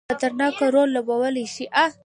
خطرناک رول لوبولای شي.